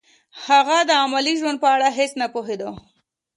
هغه د عملي ژوند په اړه هیڅ نه پوهېده